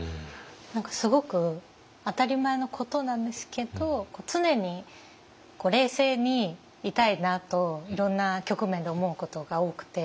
何かすごく当たり前のことなんですけど常に冷静にいたいなといろんな局面で思うことが多くて。